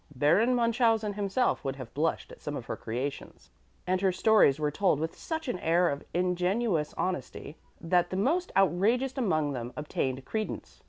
Baron Münchhausen himself would have blushed at some of her creations, and her stories were told with such an air of ingenuous honesty that the most outrageous among them obtained credence.